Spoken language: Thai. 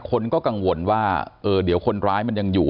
คนก็กังวลว่าเออเดี๋ยวคนร้ายมันยังอยู่